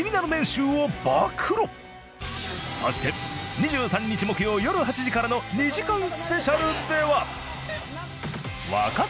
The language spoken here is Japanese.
そして２３日木曜よる８時からの２時間スペシャルでは。